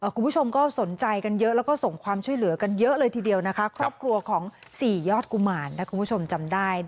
คุณผู้ชมก็สนใจกันเยอะแล้วก็ส่งความช่วยเหลือกันเยอะเลยทีเดียวนะคะครอบครัวของ๔ยอดกุมารถ้าคุณผู้ชมจำได้